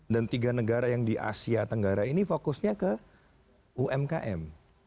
dan tiga negara yang di asia tenggara ini fokusnya ke umkm